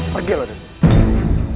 pergi loh dari sini